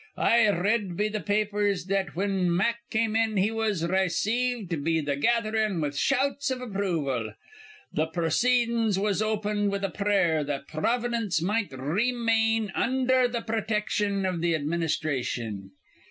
I r read be th' papers that whin Mack come in he was rayceived be th' gatherin' with shouts iv approval. Th' proceedin's was opened with a prayer that Providence might r remain undher th' protection iv th' administhration.